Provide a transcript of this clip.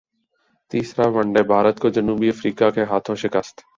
تیسرا one day Bharat کو جنوبی افریقا کے ہاتھوں شکست